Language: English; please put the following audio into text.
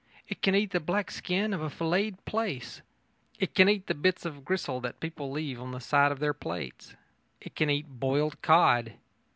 It can eat the black skin of filleted plaice. It can eat the bits of gristle that people leave on the side of their plates. It can eat boiled cod.